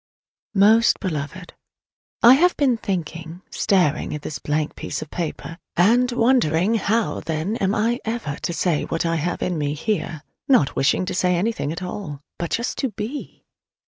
Most Beloved: I have been thinking, staring at this blank piece of paper, and wondering how there am I ever to say what I have in me here not wishing to say anything at all, but just to be!